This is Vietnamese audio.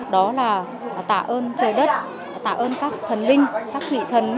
đó là tạ ơn trời đất tạ ơn các thần linh các vị thần